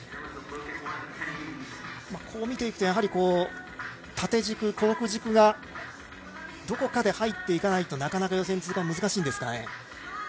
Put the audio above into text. こう見ていくと縦軸、コーク軸がどこかで入っていかないと、なかなか予選通過難しいんですかね。